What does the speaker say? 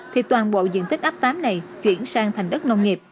thì toàn bộ diện tích ấp tám này chuyển sang thành đất nông nghiệp